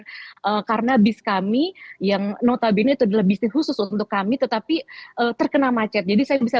jalan karena bis kami yang notabene terlebih susu untuk kami tetapi terkena macet jadi saya bisa